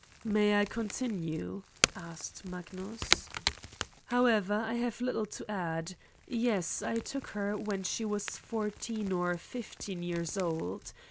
'' May I continue ?'' asked Magnus. '' However, I have little to add. Yes, I took her when she was fourteen or fifteen years old.